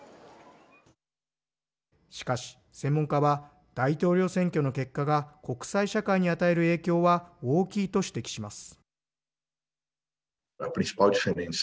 しかし専門家は大統領選挙の結果が国際社会に与える影響は大きいと指摘します。